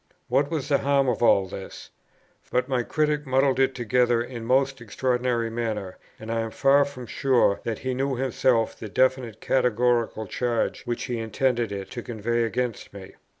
What was the harm of all this? but my Critic muddled it together in a most extraordinary manner, and I am far from sure that he knew himself the definite categorical charge which he intended it to convey against me.